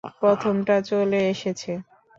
প্রথমটা চলে এসেছে!